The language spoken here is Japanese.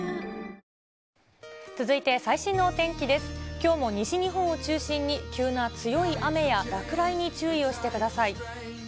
きょうも西日本を中心に急な強い雨や落雷に注意をしてください。